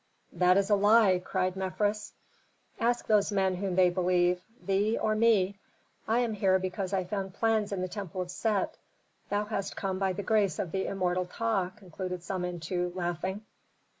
"That is a lie!" cried Mefres. "Ask those men whom they believe: thee, or me? I am here because I found plans in the temple of Set; thou hast come by the grace of the immortal Ptah," concluded Samentu, laughing.